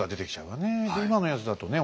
今のやつだとね